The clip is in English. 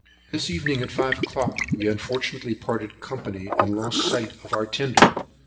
This evening, at five o'clock, we unfortunately parted company, and lost sight of our tender.